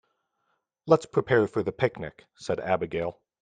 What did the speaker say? "Let's prepare for the picnic!", said Abigail.